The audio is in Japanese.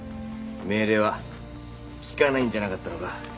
命令は聞かないんじゃなかったのか？